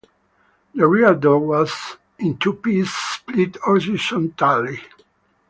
The rear door was in two pieces split horizontally.